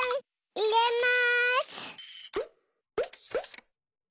いれます！